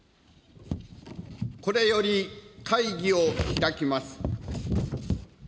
これより会議を開きます。